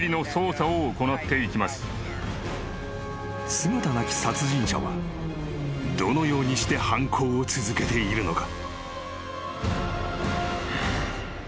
［姿なき殺人者はどのようにして犯行を続けているのか？］